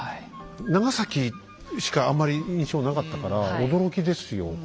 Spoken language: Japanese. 長崎しかあんまり印象なかったから驚きですよ。